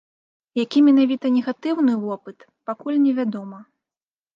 Які менавіта негатыўны вопыт, пакуль невядома.